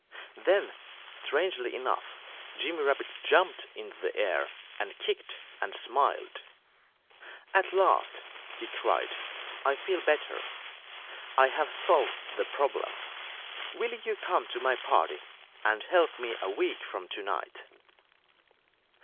Then, strangely enough, Jimmy Rabbit jumped into the air and kicked and smiled. "At last," he cried, "I feel better. I have solved the problem. Will you come to my party and help me a week from to night?"